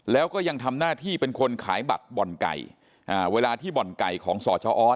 แล้วก็ยังทำหน้าที่เป็นคนขายบัตรบ่อนไก่อ่าเวลาที่บ่อนไก่ของสชออส